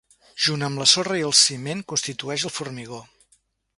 Junt amb la sorra i el ciment constitueix el formigó.